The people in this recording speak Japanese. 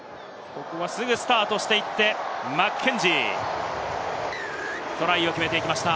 すぐスタートしてマッケンジー、トライを決めていきました。